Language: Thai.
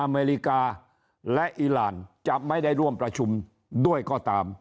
อเมริกาและอีรานจะไม่ได้ร่วมประชุมด้วยก็ตาม